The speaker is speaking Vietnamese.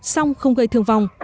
xong không gây thương vong